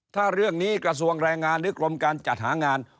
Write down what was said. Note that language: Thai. ถ้าเรื่องนี้กระทรวงแรงงานหรือกรมการจัดหางาน